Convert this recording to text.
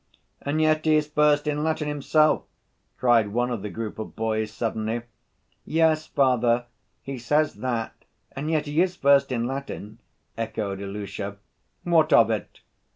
"And yet he is first in Latin himself," cried one of the group of boys suddenly. "Yes, father, he says that and yet he is first in Latin," echoed Ilusha. "What of it?"